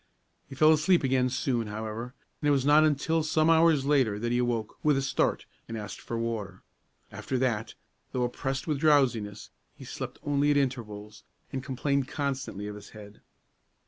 He fell asleep again soon, however, and it was not until some hours later that he awoke, with a start, and asked for water. After that, though oppressed with drowsiness, he slept only at intervals, and complained constantly of his head.